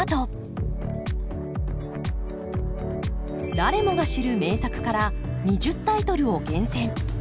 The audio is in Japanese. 誰もが知る名作から２０タイトルを厳選。